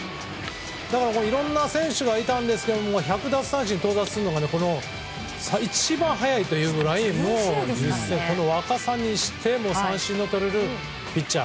だからいろんな選手がいたんですけれども１００奪三振に到達するのが一番早いというくらいこの若さにして三振もとれるピッチャー。